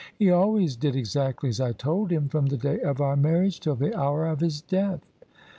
He always did exactly as I told him from the day of our marriage till the hour of his death."